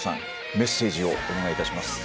メッセージをお願いいたします。